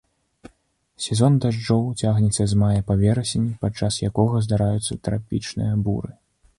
Сезон дажджоў цягнецца з мая па верасень, пад час якога здараюцца трапічныя буры.